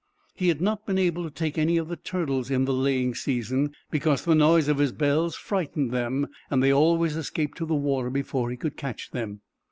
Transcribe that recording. He had not been able to take any of the turtles in the laying season, because the noise of his bells frightened them, and they always escaped to the water before he could catch them.